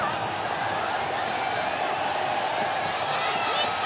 日本！